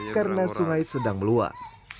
karena sungai sedang meluap